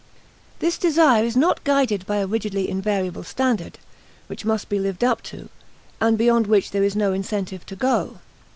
This desire is not guided by a rigidly invariable standard, which must be lived up to, and beyond which there is no incentive to go.